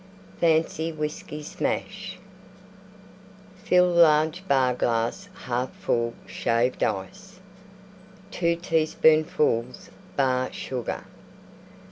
FANCY WHISKEY SMASH Fill large Bar glass 1/2 full Shaved Ice. 2 teaspoonfuls Bar Sugar.